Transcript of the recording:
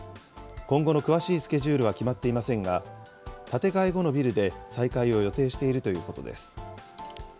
今後の詳しいスケジュールは決まっていませんが、建て替え後のビルで再開を予定しているということです。